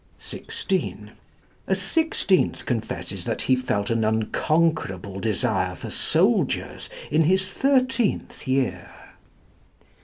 (16) A sixteenth confesses that he felt an unconquerable desire for soldiers in his thirteenth year.